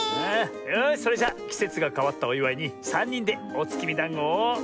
よしそれじゃきせつがかわったおいわいにさんにんでおつきみだんごを。